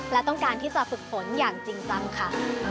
และต้องการที่จะฝึกฝนอย่างจริงจังค่ะ